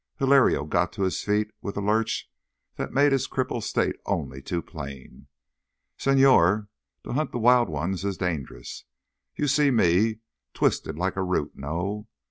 Hilario got to his feet with a lurch that made his crippled state only too plain. "Señor, to hunt the wild ones is dangerous. You see me, twisted like a root, no?